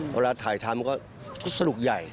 เวลาถ่ายทำก็สนุกใหญ่